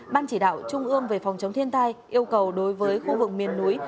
ban chỉ đạo trung ương về phòng chống thiên tai yêu cầu đối với khu vực miền núi